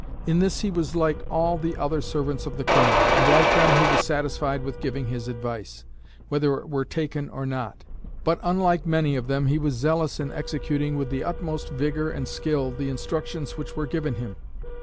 In this he was like all the other servants of the Crown, and like them he was satisfied with giving his advice, whether it were taken or not; but unlike many of them he was zealous in executing with the utmost vigour and skill the instructions which were given him.